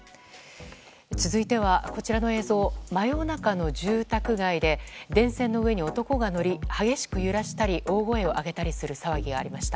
続いては、こちらの映像真夜中の住宅街で電線の上に男が乗り激しく揺らしたり大声を上げたりする騒ぎがありました。